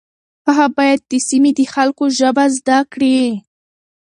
هغه باید د سیمې د خلکو ژبه زده کړي.